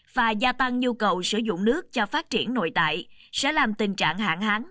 và gia tăng nhu cầu sử dụng nước cho phát triển nội tại sẽ làm tình trạng hạn hán